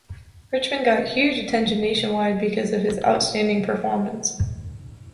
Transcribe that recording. Richmond got huge attention nationwide because of his outstanding performance.